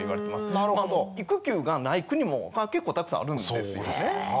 育休がない国も結構たくさんあるんですよね。